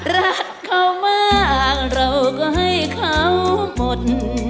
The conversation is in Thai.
รักเขามากเราก็ให้เขาหมด